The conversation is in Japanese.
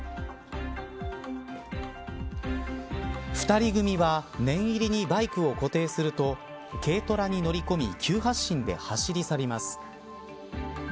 ２人組は念入りにバイクを固定すると軽トラに乗り込み急発進で走り去ります。